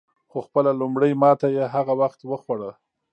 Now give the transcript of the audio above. خو خپله لومړۍ ماته یې هغه وخت وخوړه.